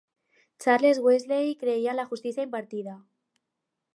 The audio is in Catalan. Charles Wesley creia en la justícia impartida.